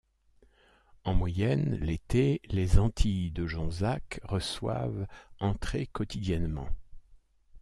En moyenne, l'été, les Antilles de Jonzac reçoivent entrées quotidiennement.